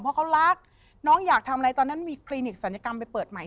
เพราะเขารักน้องอยากทำอะไรตอนนั้นมีคลินิกศัลยกรรมไปเปิดใหม่